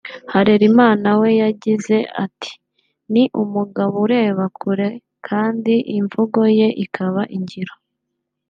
Harerimana we yagize ati “Ni umugabo ureba kure kandi imvugo ye ikaba ingiro